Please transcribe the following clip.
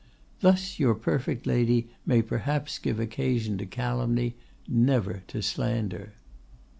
Thus your perfect lady may perhaps give occasion to calumny, never to slander."